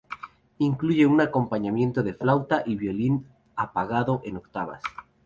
Incluye un acompañamiento de flauta y violín apagado en octavas.